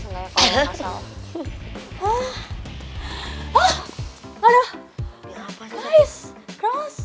enggak siapa mah ya